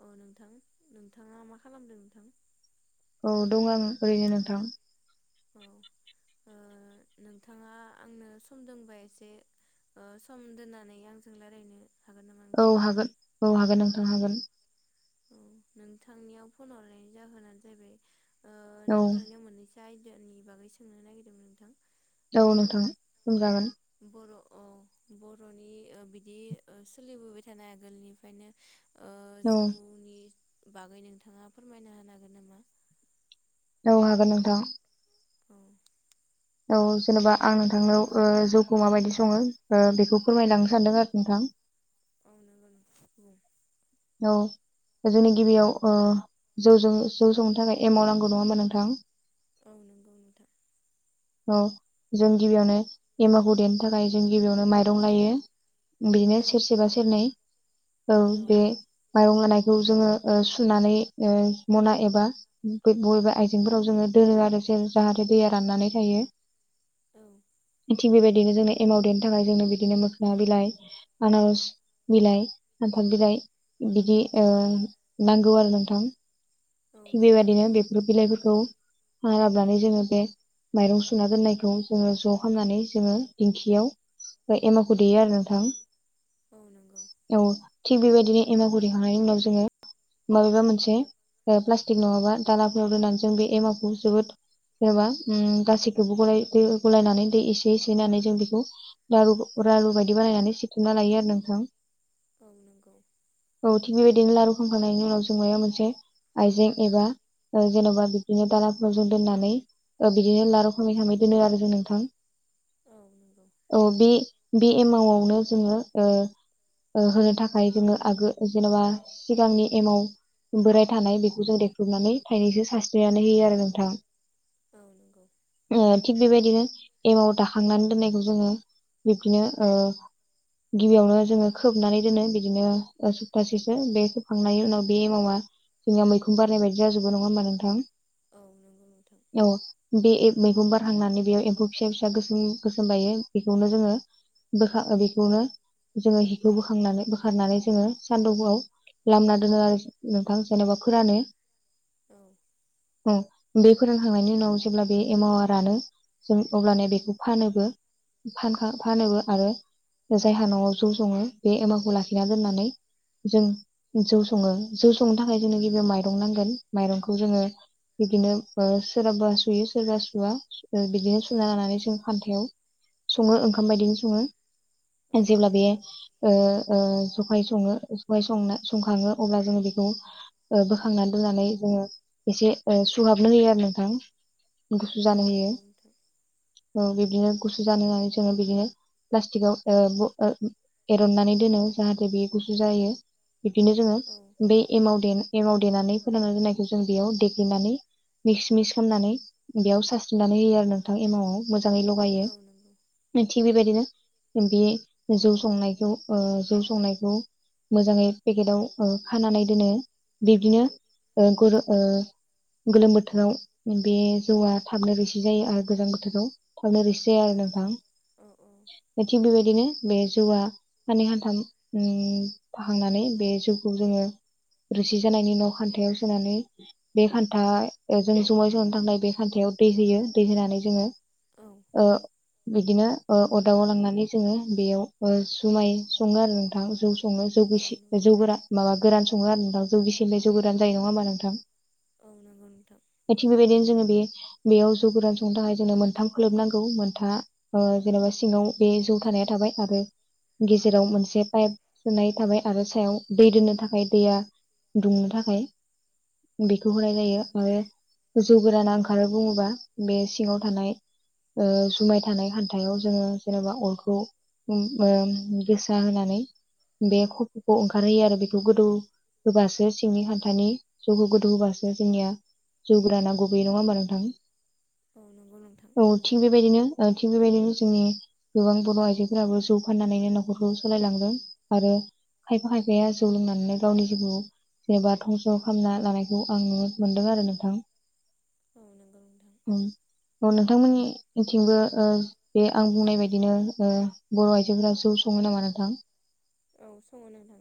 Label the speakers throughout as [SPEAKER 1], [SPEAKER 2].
[SPEAKER 1] अ नोंथां नोंथाङा मा खालामदों नोंथां?
[SPEAKER 2] औ दं आं ओरैनो नोंथां।
[SPEAKER 1] औ ओ नोंथाङा आंनो सम दंबा एसे ओ सम दोननानै आंजों रायलायनो हागोन नामा
[SPEAKER 2] औ
[SPEAKER 1] नोंथां?
[SPEAKER 2] हागोन औ हागोन नोंथां हागोन।
[SPEAKER 1] औ नोंथांनियाव फन हरनायनि जाहोनानो जाहैबाय ओ
[SPEAKER 2] औ
[SPEAKER 1] नोंथांनियाव मोनैसो आ भनि बागै सोंनो नागिरदोंमोन नोंथां
[SPEAKER 2] औ
[SPEAKER 1] ओ
[SPEAKER 2] नोंथां बुंजागोन।
[SPEAKER 1] बर' औ बरनि ओ बिदि ओ सोलिबोबाय थानाय आगोलनिफ्रायनो ओ
[SPEAKER 2] औ
[SPEAKER 1] जौनि बागै नोंथाङा फोरमायना होनो हागोन नामा?
[SPEAKER 2] औ हागोन नोंथां
[SPEAKER 1] औ
[SPEAKER 2] औ जेनबा आं नोंथांनाव ओ जौखौ माबायदि सङो ओ बेखौ फोरमायलांनो सानदों आरो नोंथां।
[SPEAKER 1] औ नंगौ नोंथां बुं
[SPEAKER 2] औ जोंनि गिबियाव ओ जौजों जौ संनो थाखाय एमाव नांगौ नङा होमबा नोंथां?
[SPEAKER 1] औ नंगौ नोंथां
[SPEAKER 2] औ जों गिबियावनो एमावखौ देनो थाखाय जों गिबियावनो माइरं लायो
[SPEAKER 1] औ
[SPEAKER 2] बिदिनो सेरसेबा सेरनै औ बे। माइरं लानायखौ जोङो ओ सुनानै ओ मना एबा बबेबा आइजेंफोराव जोङो दोनो आरो जेन जाहाथे दैया राननानै थायो।
[SPEAKER 1] औ
[SPEAKER 2] थि बेबाय दिनो जोंनो एमाव देनो थाखाय जोंनो बिदिनो मोखना बिलाइ, आनारस बिलाइ, सानफाल बिलाइ बिदि
[SPEAKER 1] औ
[SPEAKER 2] ओ नांगौ आरो नोंथां।
[SPEAKER 1] औ
[SPEAKER 2] थिग
[SPEAKER 1] नंगौ
[SPEAKER 2] बेबायदिनो
[SPEAKER 1] नोंथां
[SPEAKER 2] बेफोर बिलाइफोरखौ [unintelligible] जोङो बे माइरं सुना दोननायखौ जोङो ज' खामनानै जोङो दिंखियाव एमावखौ देयो आरो नोंथां।
[SPEAKER 1] औ नोंगौ।
[SPEAKER 2] औ थिग बेबायदिनो एमावखौ देखांनायनि उनाव जोङो माबेबा मोनसे ओ प्लास्टिक नङाबा दालाफोराव दोननानै जों बे एमावखौ जोबोद जेनबा ओ गासैखौबो गलाय दै गलायनानै दै एसे एसे होननानै जों बिखौ लारु रारु बायदि बानायनानै सिथुमना लायो आरो नोंथां।
[SPEAKER 1] औ नोंगौ।
[SPEAKER 2] औ थिग बेबायदिनो लारु खामखांनायनि उनाव जों मायाव मोनसे आइजें एबा ओ जेनबा बिदिनो दालाफोराव जों दोननानै ओ बिदिनो लारु खामै खामै दोनो आरो जों नोंथां।
[SPEAKER 1] औ नंगौ
[SPEAKER 2] अ बि बि एमावआवनो जोङो ओ ओ होनो थाखाय जोङो आगो जेनेबा सिगांनि एमाव बोराय थानाय बेखौ जों देख्रुबनानै थाइनैसो सानस्रिनानै होयो आरो नोंथां।
[SPEAKER 1] औ नंगौ
[SPEAKER 2] ओ थिग बेबायदिनो एमाव दाखांनानै दोननायखौ जोङो बिब्दिनो ओ गिबियावनो जोङो खोबनानै दोनो बिदिनो ओ सप्तासेसो बे खोबखांनायनि उनाव बे एमावा जोंनिया मैखं बारनाय बायदि जाजोबो नङा होमबा नोंथां?
[SPEAKER 1] औ नंगौ नोंथां
[SPEAKER 2] औ बे ए मैगं बारहांनानै बेयाव एम्फौ फिसा-फिसा गोसोम-गोसोम बायो बेखौनो जोङो बोखा बेखौनो जोङो हिखौ बोखांनानै बोखारनानै जोङो सानदौफुआव लामना दोनो आरो नोंथां जेनेबा फोरानो।
[SPEAKER 1] औ।
[SPEAKER 2] औ बे फोरानखांनायनि उनाव जेब्ला बे एमावा रानो जों अब्लानिया बेखौ फानोबो फानखां फानोबो आरो जायहा नआव जौ संङो बे एमावखौ लाखिना दोनानै जों जौ सङो जौ संनो थाखाय जोंनो गिबियाव माइरं नांगोन माइरंखौ जोङो बिदिनो ओ सोरहाबा सुयो सोरबा सुवा बिदिनो
[SPEAKER 1] औ
[SPEAKER 2] सुना लानानै जों खान्थायाव सङो ओंखाम बायदिनो सङो।
[SPEAKER 1] औ
[SPEAKER 2] जेब्ला बेयो ओ ओ जखाय सङो जखाय संना संखाङो अब्ला जोङो बेखौ ओ बोखांना दोननानै जोङो एसे ओ सुहाबनो होयो आरो नोंथां। गुसु
[SPEAKER 1] औ
[SPEAKER 2] जानो होयो।
[SPEAKER 1] नंगौ नोंथां
[SPEAKER 2] औ बिबदिनो गुसु जानो होननानै जोङो बिदिनो प्लास्टिकाव ओ ब ओ एरननानै दोनो। जाहाथे बे गुसु जायो। बिदिनो जोङो
[SPEAKER 1] औ
[SPEAKER 2] बे एमाव देनो एमाव देनानै फोरानना दोननायखौ जों बेयाव देग्लिनानै मिस-मिस खामनानै बेयाव सारस्रिनानै होयो आरो नोंथां एमावआव। मोजाङै लगायो
[SPEAKER 1] औ नंगौ
[SPEAKER 2] मिथि थिग बेबायदिनो बे जौ संनायखौ ओ जौ स संनायखौ मोजाङै पेकेटाव ओ खानानै दोनो बिब्दिनो ओ [unintelligible] ओ गोलोम बोथोराव बे जौआ थाबनो रैसि जायो आरो गोजां बोथोराव थाबनो रिस जाया
[SPEAKER 1] औ
[SPEAKER 2] आरो
[SPEAKER 1] औ औ
[SPEAKER 2] नोथां थिग बेबायदिनो बे जौआ हाननै हान्थाम उम फाहांनानै बे जौखौ जोङो रोसि जानायनि उनाव खान्थायाव सोनानै बे खान्था ओ जों जुमाय संनानै थांनाय बे खान्थायाव दै होयो दै होनानै जोङो
[SPEAKER 1] औ
[SPEAKER 2] ओ बिदिनो ओ अरदाबाव लांनानै जोङो बेयाव ओ जुमाय सङो आरो थां जौ स सङो जौ रोसि
[SPEAKER 1] नंगौ
[SPEAKER 2] जौ गोरा माबा गोरान सङो आरो नोंथां जौ गिसि ओमफाय जौ गोरान जायो नङा हमबा नोंथां?
[SPEAKER 1] औ नंगौ नोंथां औ
[SPEAKER 2] थिग बेबायदिनो जोङो बेयो बेयाव जौ गोरान संनो थाखाय जोंनो मोनथाम खोलोब नांगौ मोनथा ओ जेनेबा सिङाव बे जौ थानाया थाबाय आरो गेजेराव मोनसे पाइप सोनाय थाबाय आरो सायाव दै दोननो थाखाय दैया दुंनो थाखाय बे दुं होननाय जायो आरो जौ गोराना ओंखारो बुङोबा बे सिङाव थानाय ओ जुमाय थानाय हान्थायाव जोङो जेनेबा अरखौ उम ओम गोसा होनानै बे खफ'खौ ओंखारहोयो आरो बेखौ गोदौ होबासो सिंनि खान्थानि जौखौ गोदौ होबासो जोंनिया जौ गोराना गबोयो नङा होमबा नोंथां?
[SPEAKER 1] औ नंगौ नोंथां
[SPEAKER 2] औ थिग बेबायदिनो ओ थिग बेबायदिनो जोंनि गोबां बर' आइजोफोराबो जौ फाननानैनो न'खरखौ सालायलांदों। आरो खायफा खायफाया जौ लोंनानैनो गावनि जिउखौ जेनेबा धंस' खामना लानायखौ आं नुनो मोनदों आरो नोंथां।
[SPEAKER 1] औ नंगौ नोंथां
[SPEAKER 2] औ औ नोंथांमोननिथिंबो ओ बे आं बुंनाय बायदिनो ओ बर' आइजोफोरा जौ सङो नामा नोंथां?
[SPEAKER 1] औ सङो नोंथां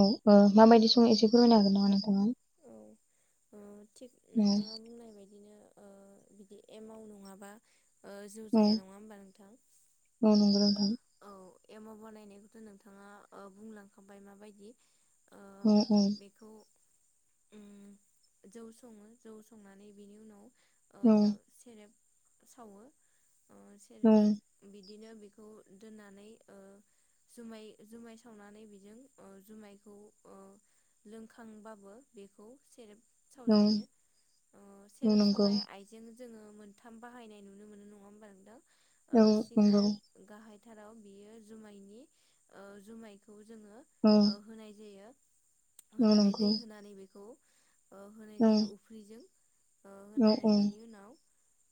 [SPEAKER 2] औ ओ माबायदि सङो एसे फोरमायनो हागोन नामा नोंथाङा?
[SPEAKER 1] औ ओ थिग
[SPEAKER 2] औ
[SPEAKER 1] नोंथाङा बुंनाय बायदिनो ओ बिदि एमाव नङाबा ओ जौ
[SPEAKER 2] औ
[SPEAKER 1] जाया नङा होमबा नोंथां?
[SPEAKER 2] औ नंगौ नोंथां
[SPEAKER 1] औ एमाव बानायनायखौथ' नोंथाङा ओ बुंलांखाबाय माबायदि ओ
[SPEAKER 2] उम उम
[SPEAKER 1] बेखौ उम जौ सङो जौ संनानै बिनि उनाव
[SPEAKER 2] औ
[SPEAKER 1] एब सावो अ सेरेब
[SPEAKER 2] औ
[SPEAKER 1] बिदि बिदिनो बेखौ दोननानै ओ जुमाय जुमाय सावनानै बेजों जुमायखौ लोंखांबाबो बेखौ सेरेब
[SPEAKER 2] औ
[SPEAKER 1] सावजायो
[SPEAKER 2] औ
[SPEAKER 1] सेरेप
[SPEAKER 2] नंगौ
[SPEAKER 1] सावनाय आइजें जोङो मोनथाम बाहायनाय नुनो मोनो नङा होमबा
[SPEAKER 2] औ
[SPEAKER 1] नोंदां
[SPEAKER 2] नंगौ
[SPEAKER 1] सिङाव गाहाय फोथाराव बियो जुमायनि जुमायखौ जोङो
[SPEAKER 2] औ
[SPEAKER 1] होनाय जायो
[SPEAKER 2] औ
[SPEAKER 1] होनानै दै
[SPEAKER 2] नंगौ
[SPEAKER 1] होनानै बेखौ होनाय
[SPEAKER 2] औ
[SPEAKER 1] जायो उफ्रिजों ओ
[SPEAKER 2] औ
[SPEAKER 1] होनानै बिनि उनाव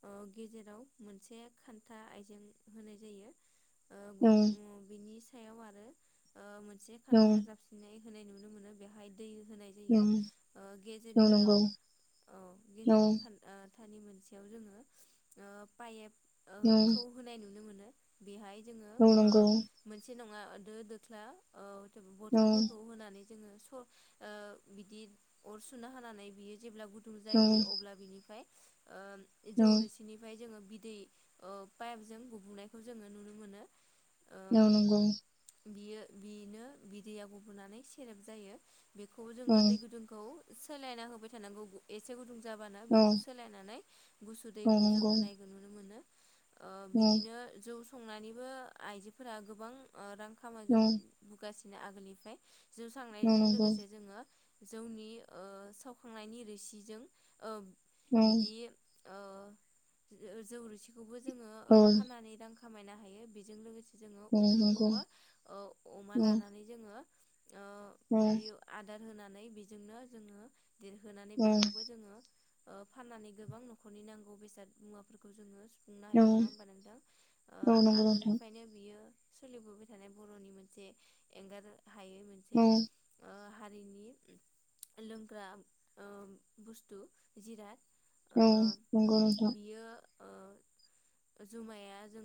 [SPEAKER 1] ओ गेजेराव मोनसे खान्था आयजें होनाय जायो। ओ गुब
[SPEAKER 2] औ
[SPEAKER 1] बिनि एसे सायाव आरो ओ मोन मोनसे खान्था जाबसिननाय होनाय नुनो मोनो बेहाय दै होनाय
[SPEAKER 2] औ
[SPEAKER 1] जायो ओ
[SPEAKER 2] औ
[SPEAKER 1] गेजेरनियाव
[SPEAKER 2] नंगौ
[SPEAKER 1] अ
[SPEAKER 2] औ
[SPEAKER 1] गेजेरनि ओ ख'थानि मोनसेयाव जोङो ओ पाइप ओ
[SPEAKER 2] औ
[SPEAKER 1] खौ होनाय नुनो मोनो बिहाय जोङो
[SPEAKER 2] औ
[SPEAKER 1] ओ
[SPEAKER 2] नंगौ
[SPEAKER 1] मोनसे नङा दो दोख्ला
[SPEAKER 2] औ
[SPEAKER 1] बथलफोरखौ होनानै। ओ जोङो स' बिदि अर सुना होनानै बियो जेब्ला गुदुं
[SPEAKER 2] औ
[SPEAKER 1] जायबोयो अब्ला बिनिफ्राय ओ जौरोसिनिफ्राय जोङो बिदै ओ पाइपजों गुबुनायखौ जोङो नुनो मोनो ओ
[SPEAKER 2] औ नंगौ
[SPEAKER 1] बियो बिनो बिदैया गुबुनानै सेरेब जायो। बेखौ जोङो दै गुदुंखौ सोलायना होबाय थानांगौ एसे गुदुं जाबानो
[SPEAKER 2] औ
[SPEAKER 1] बेखौ सोलायनानै गुसु
[SPEAKER 2] औ
[SPEAKER 1] दैखौ जों
[SPEAKER 2] नंगौ
[SPEAKER 1] होनायखौ नुनो मोनो। ओ
[SPEAKER 2] औ
[SPEAKER 1] बिदिनो जौ सं संनानैबो आइजोफोरा गोबां ओ रां खामाय
[SPEAKER 2] औ
[SPEAKER 1] बु- बुगासिनो बिदिनो आगोलनिफ्राय जौ
[SPEAKER 2] औ
[SPEAKER 1] संनायजों
[SPEAKER 2] नंगौ
[SPEAKER 1] लोगोसे जोङो जौनि ओ सावखांनायनि रोसिजों ओ
[SPEAKER 2] औ
[SPEAKER 1] बिदि ओ जौ-जौरोसि बेखौबो जोङो ओ
[SPEAKER 2] औ
[SPEAKER 1] फनानै रां खामायनो हायो बेजों लोगोसे जोङो
[SPEAKER 2] औ नंगौ
[SPEAKER 1] अफ्रिखौबो ओ अमा
[SPEAKER 2] औ
[SPEAKER 1] लानानै जोङो ओ
[SPEAKER 2] औ
[SPEAKER 1] बिदि आदाद होनानै बेजोंनो जोङो देरहोनानै
[SPEAKER 2] औ
[SPEAKER 1] बेखौबो जोङो ओ फाननानै गोबां न'खरनि नांगौ बेसाद मुवाफोरखौ जोङो खुंनोहायो नंआ होनबा नोंथां। ओ
[SPEAKER 2] औ नंगौ नोंथां।
[SPEAKER 1] आगोलनिफ्रायनो बियो सोलिबोबाय थानाय बर'नि मोनसे एंगार हायोय मोनसे
[SPEAKER 2] औ
[SPEAKER 1] ओ हा जोंनि लोंग्रा ओ बुस्थु जिराद ओ
[SPEAKER 2] औ नंगौ नोंथां।
[SPEAKER 1] बियो ओ जुमाया जों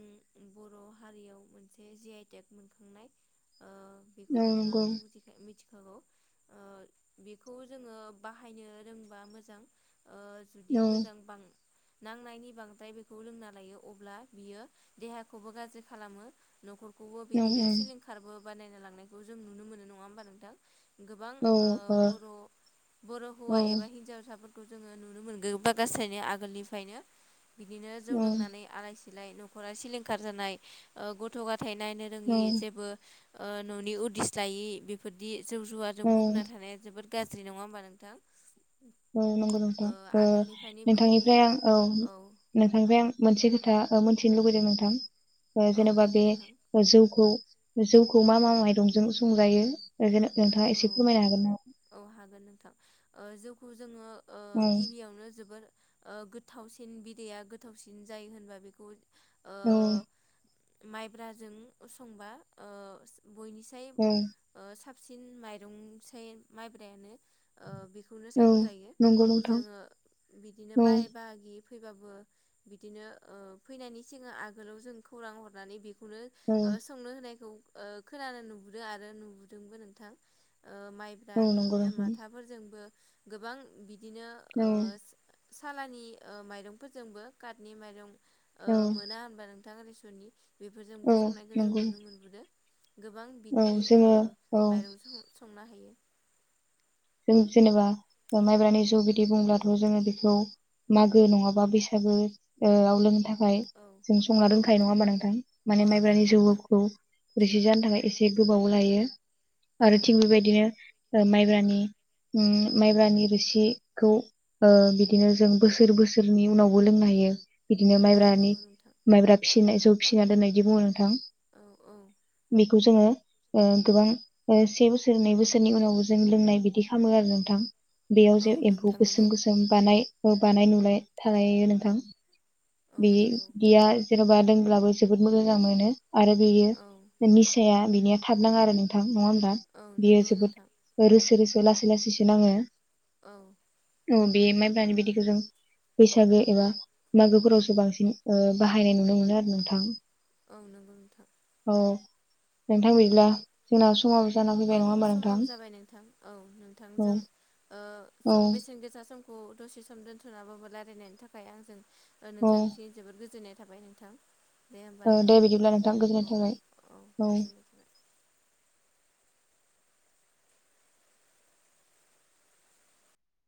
[SPEAKER 1] बर' हारियाव मोनसे जि आइटेक मोनखांनाय। ओ बेखौ
[SPEAKER 2] औ
[SPEAKER 1] नोंथाङाथ'
[SPEAKER 2] नंगौ
[SPEAKER 1] मुथिखायो मिथि खागौ ओ बेखौ जोङो बाहायनो रोंबा मोजां। ओ जुदि
[SPEAKER 2] औ
[SPEAKER 1] मोजां बां नांनायनि बांद्राय बेखौ लोंना लायो अब्ला बियो देहाखौबो गाज्रि खालामो। न'खरखौबो
[SPEAKER 2] औ
[SPEAKER 1] बिदिनो सिलिंखारबो बानायना लांनायखौ जों नुनो मोनो नङा होमबा नोंथां? गोबां ओ बर' बर' हौवा एबा हिनजावसाफोर खौ जोङो नुनो मोनगो गासैनो आगोलनिफ्रायनो। बिदिनो जौ
[SPEAKER 2] औ
[SPEAKER 1] लोंनानै आलााय सिलाय न' खरा सिलिंखार जानाय ओ गथ' ग थाइ नायनो
[SPEAKER 2] औ
[SPEAKER 1] रोङि जेबो ओ न'नि उदिस लायै बेफोरदि जौ जुवाजों
[SPEAKER 2] औ
[SPEAKER 1] बुंना थानाया जोबोद गाज्रि नङा होमबा नोंथां?
[SPEAKER 2] औ नंगौ नोंथां ओ
[SPEAKER 1] आगोलनिफ्रायनो बिदि
[SPEAKER 2] नोंथांनिफ्राय आं औ नोंथांनिफ्राय आं मोनसे खोथा ओ मोनथिनो लुुबैदों नोंथां? ओ
[SPEAKER 1] औ
[SPEAKER 2] जेनेबा
[SPEAKER 1] बुं
[SPEAKER 2] बे
[SPEAKER 1] नोंथां
[SPEAKER 2] जौखौ जौ खौ मा मा माइरंजों संजायो एखोनो नोंथाङा
[SPEAKER 1] औ
[SPEAKER 2] एसे फोरमायनो हागोन नामा?
[SPEAKER 1] औ हागोन नोंथां। ओ जौखौ जोङो ओ गिबियावनो जोबोर ओ गोथावसिन बिदैया गोथावसिन जायो होनबा बेखौ ओ
[SPEAKER 2] औ
[SPEAKER 1] माइब्राजों संबा ओ बयनिसाय
[SPEAKER 2] औ
[SPEAKER 1] ओ सा सिन माइरंसाय माइब्रायानो ओ बि खौनो
[SPEAKER 2] औ
[SPEAKER 1] सायख'जायो
[SPEAKER 2] नंगौ नोंथां
[SPEAKER 1] जोङो बिदिनो
[SPEAKER 2] औ
[SPEAKER 1] बाय बाहागि फैबाबो बिदिनो ओ फैनायनि सिगां आगोलाव जों खौरां हरनानै बे खौनो
[SPEAKER 2] औ
[SPEAKER 1] संनो होनायखौ ओ खोनानो नुबोदों आरो नुबोदोंबो नों थां। ओ माइब्रा
[SPEAKER 2] औ नंगौ
[SPEAKER 1] बिदिनो
[SPEAKER 2] नोंथां
[SPEAKER 1] माथाफोरजोंबो गोबां बि बिदिनो
[SPEAKER 2] औ
[SPEAKER 1] ओ सालानि ओ माइरंफोरजोंबो काटनि माइरं ओ
[SPEAKER 2] औ
[SPEAKER 1] मोना होनबा नों थां रेसननि। बेफोरजोंबो
[SPEAKER 2] औ
[SPEAKER 1] संनायखौ जों
[SPEAKER 2] नंगौ
[SPEAKER 1] नुनो मोनबोदो। गोबां
[SPEAKER 2] औ
[SPEAKER 1] बिनि ओ
[SPEAKER 2] जोङो औ
[SPEAKER 1] माइरं स-संना हायो।
[SPEAKER 2] जों जेनेबा माइब्रानि जौ बिदि बुंब्लाथ' जोङो बेखौ मागो नङाबा बैसागो ओ आव लोंनो थाखा य
[SPEAKER 1] औ
[SPEAKER 2] जों संना
[SPEAKER 1] औ
[SPEAKER 2] दोनखायो नङा होमबा नोंथां
[SPEAKER 1] औ
[SPEAKER 2] माने
[SPEAKER 1] नंगौ
[SPEAKER 2] माइब्रानि
[SPEAKER 1] नोंथां
[SPEAKER 2] जौखौ रोसि जानो थाखाय एसे गोबाव लायो।
[SPEAKER 1] औ
[SPEAKER 2] आरो थिग बेबायदिनो माइब्रानि ओम माइब्रानि रोसिखौ ओ बिदिनो जों बोसोर बोसोरनि उनावबो लोंनो हायो। बिदिनो
[SPEAKER 1] औ
[SPEAKER 2] माइब्रानि
[SPEAKER 1] नंगौ नोंथां
[SPEAKER 2] माइब्रा फि नाय जौ फिसिना दोननाय इदि बुङो नोंथां।
[SPEAKER 1] औ औ।
[SPEAKER 2] खौ जोङो ओ गोबां ओ से बोसोर नै बोसोरनि उनावबो जों लोंनाय बिदि खामो आरो नोंथां। बेयाव
[SPEAKER 1] औ
[SPEAKER 2] जे एम्फौ
[SPEAKER 1] नोंथां
[SPEAKER 2] गोसोम
[SPEAKER 1] नंगौ
[SPEAKER 2] गोसोम बानाय [unintelligible] बानाय नुलाय थायो नोंथां
[SPEAKER 1] औ नंगौ
[SPEAKER 2] बेदिया जेनबा दों ब्लाबो जोबोद मोजां मोनो। आरो
[SPEAKER 1] औ
[SPEAKER 2] बेयो निसाया बिनिया थाब नाङा आरो नोंथां नङा होमबा
[SPEAKER 1] औ
[SPEAKER 2] बियो
[SPEAKER 1] नंगौ
[SPEAKER 2] जोबोद
[SPEAKER 1] नोंथां
[SPEAKER 2] ओ रोस लासै लासैसो नाङो
[SPEAKER 1] औ
[SPEAKER 2] औ बे माइब्रानि बिदैखौ जों बैसागो एबा मागोफोरावसो बांसिन ओ बाहायनाय नुनो मोनो आरो नोंथां
[SPEAKER 1] औ नोंगौ नोंथां
[SPEAKER 2] औ नोंथां बिदिब्ला जोंना स समाबो जाना फैबाय नङा
[SPEAKER 1] औ
[SPEAKER 2] होमबा नोंथां
[SPEAKER 1] समाबो जाबाय नोंथां औ
[SPEAKER 2] औ
[SPEAKER 1] नोंथांजों ओ
[SPEAKER 2] औ
[SPEAKER 1] सम बेसेन गोसा समखौ दसे सम दोन्थनाबाबो रायलायनायनि थाखाय आंजों ओ
[SPEAKER 2] औ
[SPEAKER 1] नोंथांनिसिम जोबोद गोजोननाय थाबाय नोंथां दे होमबा
[SPEAKER 2] औ दे
[SPEAKER 1] नोंथां
[SPEAKER 2] बिदिब्ला नोंथां गोजोननाय
[SPEAKER 1] औ
[SPEAKER 2] थाबाय
[SPEAKER 1] औ गोजोन्नाय थाबाय